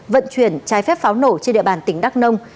vận chuyển trái phép pháo nổ trên địa bàn tỉnh đắk nông